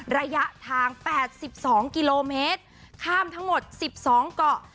ระยะทางแปดสิบสองกิโลเมตรข้ามทั้งหมดสิบสองเกาะ